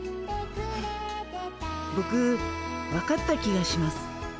ボク分かった気がします。